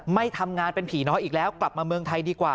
ไม่ทำงานเป็นผีน้อยอีกแล้วกลับมาเมืองไทยดีกว่า